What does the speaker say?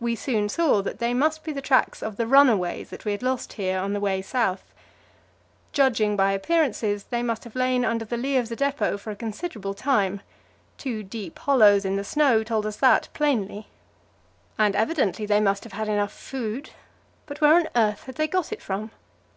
We soon saw that they must be the tracks of the runaways that we had lost here on the way south. Judging by appearances, they must have lain under the lee of the depot for a considerable time; two deep hollows in the snow told us that plainly. And evidently they must have had enough food, but where on earth had they got it from?